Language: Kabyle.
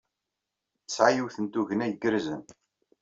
Tesɛa yiwet n tugna igerrzen.